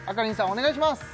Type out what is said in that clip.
お願いします